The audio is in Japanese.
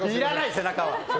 背中は！